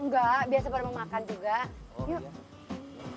enggak biasa baru makan juga yuk